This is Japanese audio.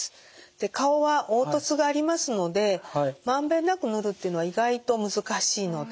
で顔は凹凸がありますので満遍なく塗るっていうのは意外と難しいので。